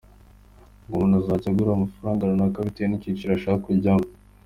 Ngo umuntu azajya akagura amafaranga runaka bitewe n’icyiciro ashaka kujyamo.